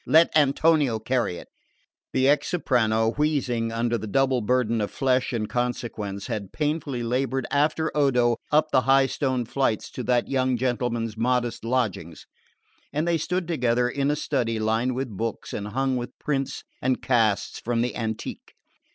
Let Antonio carry it." The ex soprano, wheezing under the double burden of flesh and consequence, had painfully laboured after Odo up the high stone flights to that young gentleman's modest lodgings, and they stood together in a study lined with books and hung with prints and casts from the antique.